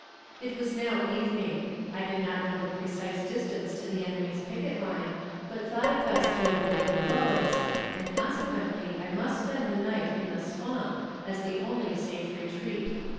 It was now evening; I did not know the precise distance to the enemy's picket line, but thought it best to avoid the roads, and consequently I must spend the night in the swamp, as the only safe retreat.